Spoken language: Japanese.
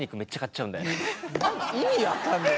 意味分かんねえ。